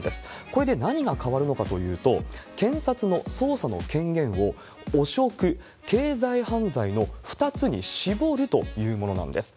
これで何が変わるのかというと、検察の捜査の権限を汚職、経済犯罪の２つに絞るというものなんです。